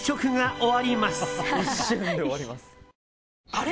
あれ？